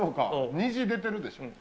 虹出てるでしょ？